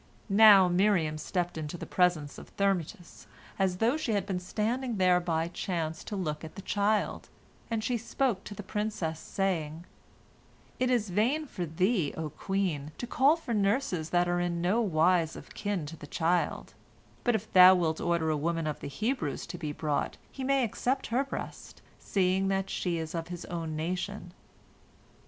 Now Miriam stepped into the presence of Thermutis, as though she had been standing there by chance to look at the child, and she spoke to the princess, saying, "It is vain for thee, O queen, to call for nurses that are in no wise of kin to the child, but if thou wilt order a woman of the Hebrews to be brought, he may accept her breast, seeing that she is of his own nation."